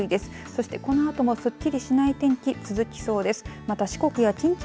そして、このあともすっきりしない天気が続きそうです。